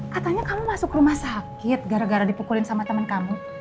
katanya kamu masuk rumah sakit gara gara dipukulin sama temen kamu